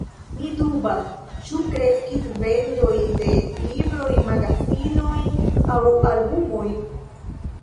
Mi dubas, ĉu kreskis vendoj de libroj, magazinoj aŭ albumoj.